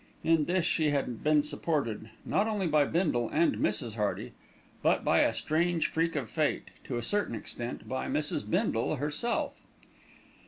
In this she had been supported, not only by Bindle and Mrs. Hearty, but, by a strange freak of fate, to a certain extent, by Mrs. Bindle herself.